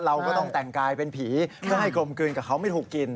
เราก็ต้องแต่งกายเป็นผีเพื่อให้กลมกลืนกับเขาไม่ถูกกิน